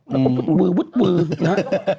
แล้วก็วืดนะ